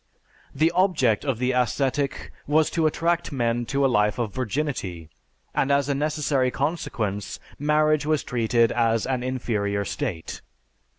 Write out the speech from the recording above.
The object of the ascetic was to attract men to a life of virginity, and as a necessary consequence marriage was treated as an inferior state.